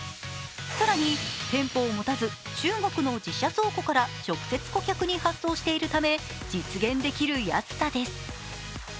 更に、店舗を持たず中国の自社倉庫から直接顧客に発送しているため、実現できる安さです。